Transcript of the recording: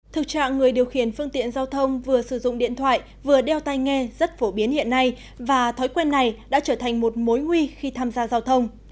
thực trạng người điều khiển phương tiện giao thông vừa sử dụng điện thoại vừa đeo tay nghe rất phổ biến hiện nay và thói quen này đã trở thành một mối nguy khi tham gia giao thông